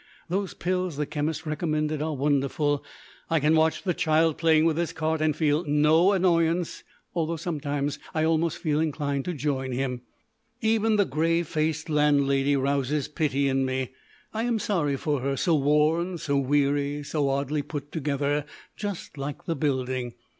Those pills the chemist recommended are wonderful. I can watch the child playing with his cart and feel no annoyance; sometimes I almost feel inclined to join him. Even the grey faced landlady rouses pity in me; I am sorry for her: so worn, so weary, so oddly put together, just like the building.